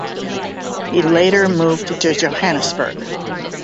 He later moved to Johannesburg.